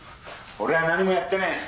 俺は何もやってねえ！